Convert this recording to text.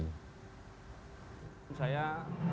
yang melakukan upaya pengungkapan kasus ini